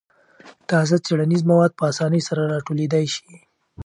تازه څېړنیز مواد په اسانۍ سره راټولېدای شي.